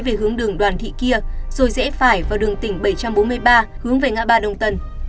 hãy hướng đường đoàn thị kia rồi dễ phải vào đường tỉnh bảy trăm bốn mươi ba hướng về ngã ba đông tân